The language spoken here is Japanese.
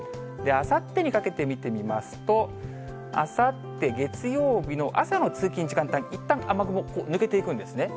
あさってにかけて見てみますと、あさって月曜日の朝の通勤時間帯、いったん雨雲、抜けていくんですね。